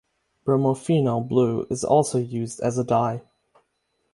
Bromophenol blue is also used as a dye.